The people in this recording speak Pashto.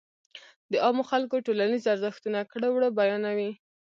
د عامو خلکو ټولنيز ارزښتونه ،کړه وړه بيان وي.